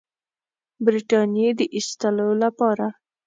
برټانیې د ایستلو لپاره.